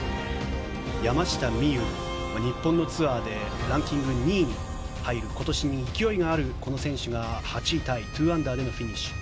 山下美夢有、日本のツアーでランキング２位に入る今年に勢いがある選手が８位タイ２アンダーでのフィニッシュ。